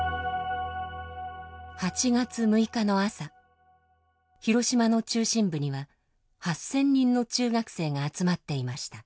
８月６日の朝広島の中心部には８，０００人の中学生が集まっていました。